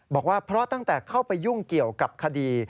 บอกว่าเพราะตั้งแต่เข้าไปยุ่งเกี่ยวกับคดี